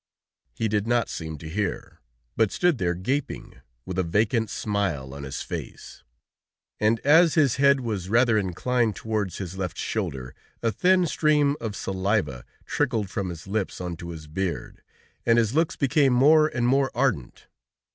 He did not seem to hear, but stood there gaping, with a vacant smile on his face, and as his head was rather inclined towards his left shoulder, a thin stream of saliva trickled from his lips onto his beard, and his looks became more and more ardent.